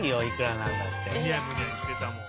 むにゃむにゃいってたもん。